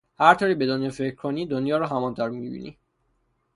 هر طوری به دنیا فکر کنی دنیا رو همونطور میبینی